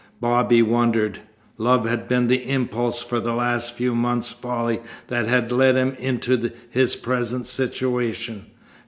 Bobby wondered. Love had been the impulse for the last few months' folly that had led him into his present situation.